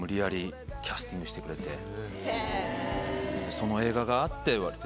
その映画があって割と。